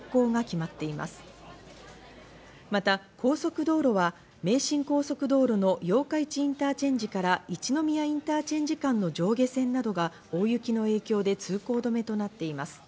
また、高速道路は名神高速道路の八日市インターチェンジから一宮インターチェンジ間の上下線などが大雪の影響で通行止めとなっています。